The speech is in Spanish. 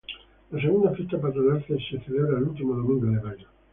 La segunda fiesta patronal se celebra el último domingo de mayo.